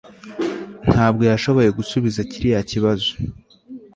Ntabwo yashoboye gusubiza kiriya kibazo